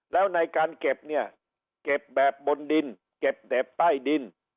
แล้วในการเก็บเนี่ยเก็บแบบบนดินเก็บแบบใต้ดิน